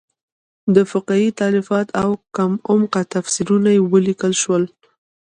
د فقهې تالیفات او کم عمقه تفسیرونه ولیکل شول.